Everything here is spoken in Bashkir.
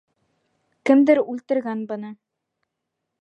Кемдер үлтергән быны.